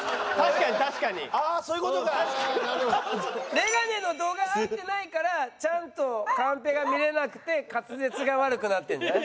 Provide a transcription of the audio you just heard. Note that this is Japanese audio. メガネの度が合ってないからちゃんとカンペが見れなくて滑舌が悪くなってるんじゃない？